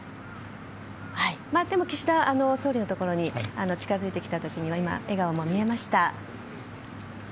でも岸田総理のところに近づいてきた時には笑顔も見えました。